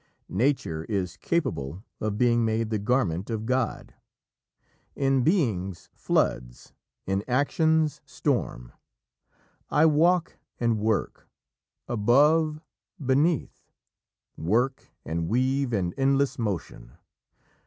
Nature is capable of being made the garment of God. "In Being's floods, in Action's storm, I walk and work, above, beneath, Work and weave in endless motion!